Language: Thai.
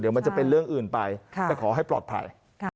เดี๋ยวมันจะเป็นเรื่องอื่นไปแต่ขอให้ปลอดภัย